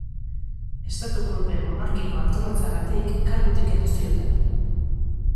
Estatu-kolpe monarkiko antolatzeagatik kargutik kendu zioten.